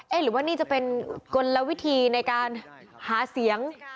หรือว่านี่จะเป็นกลวิธีในการหาเสียง